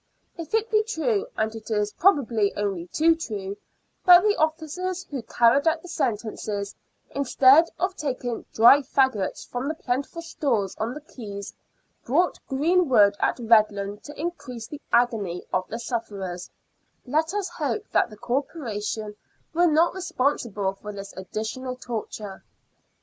If it be true, and it is probably only too true, that the officers who carried out the sentences, instead of taking dry faggots from the plentiful stores on the quays, bought green wood at Redland to increase the agony of the sufferers, let us hope that the Corporation were not responsible for this additional torture.